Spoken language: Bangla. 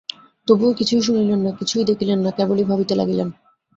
তবুও কিছুই শুনিলেন না, কিছুই দেখিলেন না, কেবলই ভাবিতে লাগিলেন।